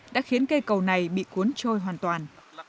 đã khiến cây cầu này bị cuốn trôi hoàn toàn